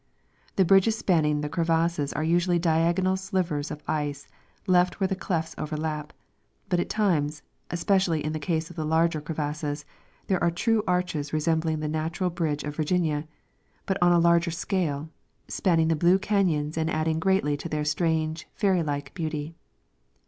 The bridges spanning the cre vasses are usually diagonal slivers of ice left where the clefts overlap ; but at times, especially in the case of the larger cre vasses, there are true arches resembling the Natural Bridge of Virginia, but on a larger scale, spanning the blue caiions and adding greatly to their strange, fairy like beauty.